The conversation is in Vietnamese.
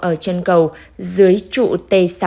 ở chân cầu dưới trụ t sáu